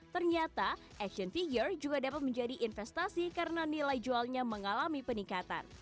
ternyata action figure juga dapat menjadi investasi karena nilai jualnya mengalami peningkatan